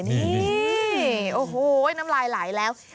นี่โอ้โหน้ำลายไหลแล้ว